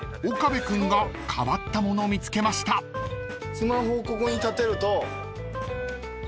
スマホをここに立てると。